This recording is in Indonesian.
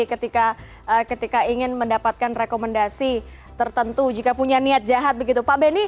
ketika ingin mendapatkan rekomendasi tertentu jika punya niat jahat begitu pak benny